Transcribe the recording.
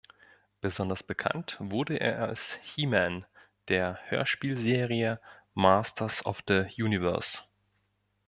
Besonders bekannt wurde er als "He-Man" der Hörspielserie "Masters of the Universe".